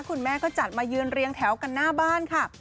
คุณแม่ก็จัดมายืนเรียงแถวกันหน้าบ้านค่ะ